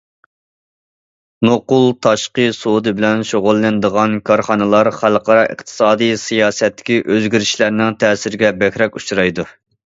نوقۇل تاشقى سودا بىلەن شۇغۇللىنىدىغان كارخانىلار خەلقئارا ئىقتىسادىي سىياسەتتىكى ئۆزگىرىشلەرنىڭ تەسىرىگە بەكرەك ئۇچرايدۇ.